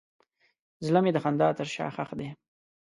زړه مې د خندا تر شا ښخ دی.